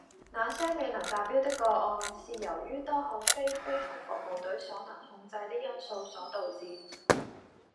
那些未能達標的個案，是由於多項非飛行服務隊所能控制的因素所導致